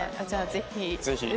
ぜひ。